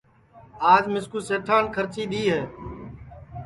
آج مِسکُُو سیٹان کھرچی دؔی ہے